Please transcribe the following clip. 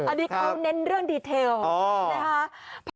อันนี้เขาเน้นเรื่องดีเทลนะคะ